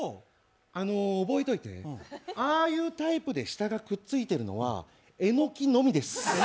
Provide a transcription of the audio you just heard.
覚えといて、ああいうタイプで下がくっついてるのはエノキのみです。